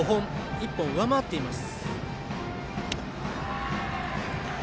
１本、上回っています。